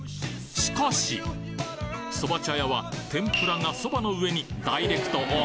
しかしそば茶屋は天ぷらがそばの上にダイレクトＯＮ！